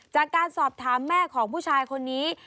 จากการสอบถามแม่ของผู้ชายคนนี้